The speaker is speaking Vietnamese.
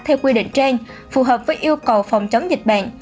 theo quy định trên phù hợp với yêu cầu phòng chống dịch bệnh